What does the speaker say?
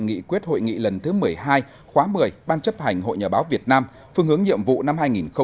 nghị quyết hội nghị lần thứ một mươi hai khóa một mươi ban chấp hành hội nhà báo việt nam phương hướng nhiệm vụ năm hai nghìn hai mươi